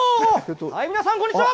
皆さんこんにちは。